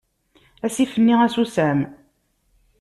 Asif-nni asusam.